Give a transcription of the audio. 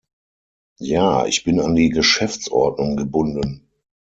Ja, ich bin an die Geschäftsordnung gebunden.